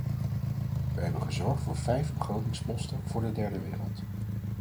Wij hebben gezorgd voor vijf begrotingsposten voor de derde wereld.